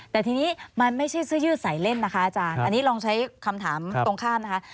แต่ทีนี้มันไม่ใช่เสื้อยืดใส่เล่นนะคะอาจารย์อันนี้ลองใช้คำถามตรงข้ามนะคะ